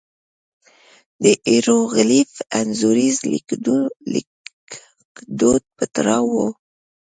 د هېروغلیف انځوریز لیکدود په تړاو وو.